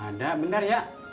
ada benar ya